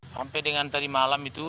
sampai dengan tadi malam itu